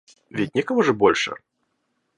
Ведь некому же больше?